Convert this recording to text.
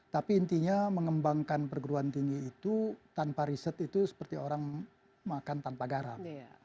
tapi intinya mengembangkan perguruan tinggi itu tanpa riset itu seperti orang makan tanpa garam